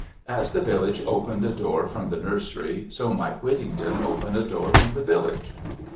As the village opened a door from the nursery, so might Whittington open a door from the village.